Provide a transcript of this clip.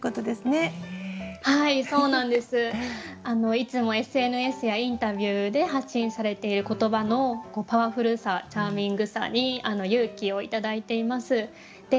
いつもＳＮＳやインタビューで発信されている言葉のパワフルさチャーミングさに勇気を頂いています。